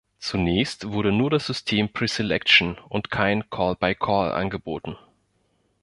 Zunächst wurde nur das System Preselection und kein Call-by-Call angeboten.